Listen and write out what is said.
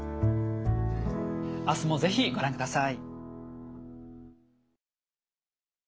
明日も是非ご覧ください。